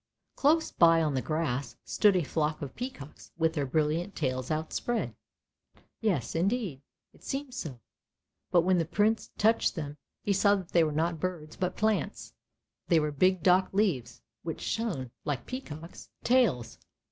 Close by on the grass stood a flock of peacocks with their brilliant tails outspread. Yes, indeed, it seemed so, but when the Prince touched them he saw that they were not birds but plants. They were big dock leaves, which shone like peacock's tails.